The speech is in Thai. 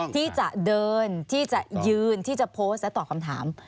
ที่จะเดินที่จะยืนที่จะโพสต์และตอบคำถาม